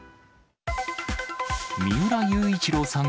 三浦雄一郎さん